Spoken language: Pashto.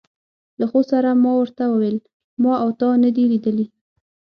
له خو سره ما ور ته وویل: ما او تا نه دي لیدلي.